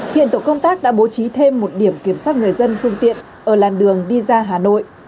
hiện tổ công tác đã bố trí thêm một điểm kiểm soát người dân phương tiện ở làn đường đi ra hà nội